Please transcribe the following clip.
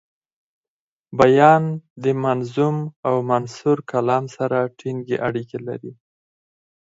بیان د منظوم او منثور کلام سره ټینګي اړیکي لري.